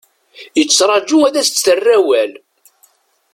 Yettraju ad as-d-terr awal.